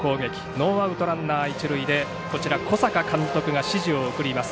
ノーアウト、ランナー一塁で小坂監督が指示を送ります。